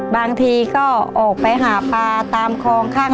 บางทีก็ออกไปหาปลาตามคลองข้าง